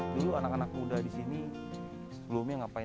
dulu anak anak muda disini sebelumnya ngapain